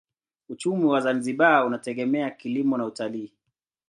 Uchumi wa Zanzibar unategemea kilimo na utalii.